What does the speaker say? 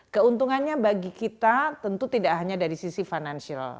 keuntungannya bagi kita tentu tidak hanya dari sisi financial